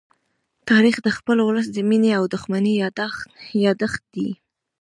تاریخ د خپل ولس د مینې او دښمنۍ يادښت دی.